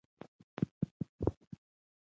• شتمني د انسان قدر نه ټاکي.